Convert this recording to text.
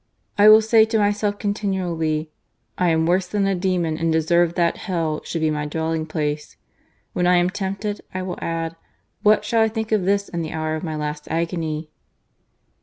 " I will say to myself continually : I am worse than a demon and deserve that Hell should be my dwelling place. When I am tempted, I will add : What shall I think of this in the hour of my last agony